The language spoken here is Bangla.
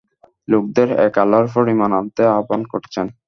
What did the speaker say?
লোকদের এক আল্লাহর উপর ঈমান আনতে আহবান করছেন।